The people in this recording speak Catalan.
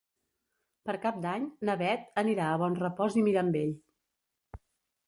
Per Cap d'Any na Beth anirà a Bonrepòs i Mirambell.